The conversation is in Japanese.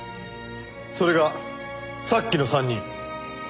それがさっきの３人。